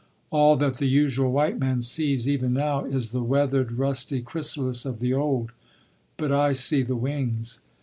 All that the usual white man sees, even now, is the weathered rusty chrysalis of the old, but I see the wings.